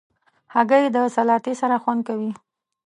هګۍ د سلاتې سره خوند کوي.